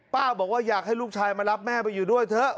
บอกว่าอยากให้ลูกชายมารับแม่ไปอยู่ด้วยเถอะ